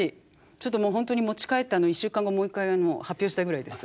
ちょっとホントに持ち帰って１週間後もう一回発表したいぐらいです。